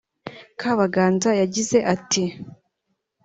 Kabaganza yagize ati